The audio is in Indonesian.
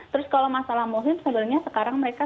terus kalau masalah muslim sebenarnya sekarang mereka